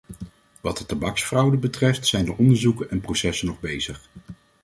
Wat de tabaksfraude betreft zijn de onderzoeken en processen nog bezig.